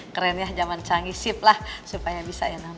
keren ya zaman canggih sip lah supaya bisa ya nam